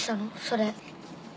それ。